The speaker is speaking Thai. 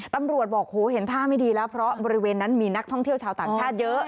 ตำรวจบอกโหเห็นท่าไม่ดีแล้วเพราะบริเวณนั้นมีนักท่องเที่ยวชาวต่างชาติเยอะ